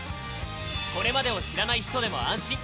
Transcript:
これまでを知らない人でも安心。